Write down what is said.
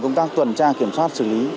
công tác tuần tra kiểm soát xử lý